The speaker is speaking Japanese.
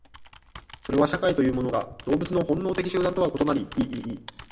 それは社会というものが動物の本能的集団と異なり、